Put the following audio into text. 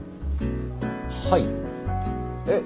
はいえっ？